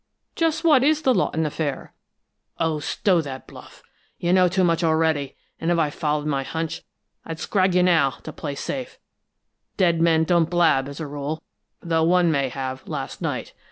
"Just what is the Lawton affair?" "Oh, stow that bluff! You know too much already, and if I followed my hunch, I'd scrag you now, to play safe. Dead men don't blab, as a rule though one may have, last night.